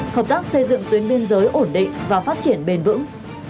hợp tác xây dựng tuyến biên giới ổn định và phát triển bền vững